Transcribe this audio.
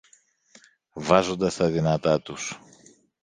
βάζοντας τα δυνατά τους